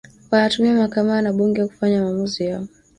Wanatumia mahakama na bunge kufanya maamuzi yao